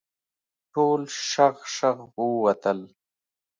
ټول شغ شغ ووتل.